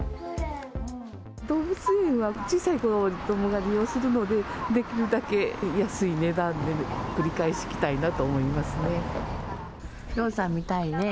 動物園は小さい子どもが利用するので、できるだけ安い値段で、繰り返し来たいなと思いますね。